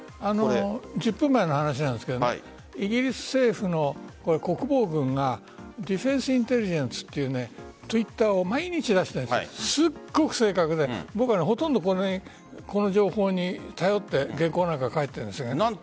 １０分前の話なんですがイギリス政府の国防軍がディフェンスインテリジェンスというＴｗｉｔｔｅｒを毎日出してすごく正確で僕はほとんどこの情報に頼って原稿を書いているんです。